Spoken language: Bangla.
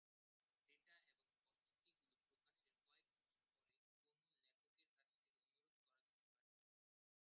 ডেটা এবং পদ্ধতিগুলি প্রকাশের কয়েক বছর পরে কোনও লেখকের কাছ থেকে অনুরোধ করা যেতে পারে।